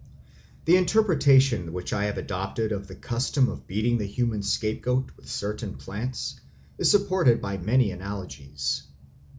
The interpretation which I have adopted of the custom of beating the human scapegoat with certain plants is supported by many analogies.